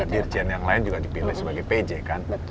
dirjen yang lain juga dipilih sebagai pj kan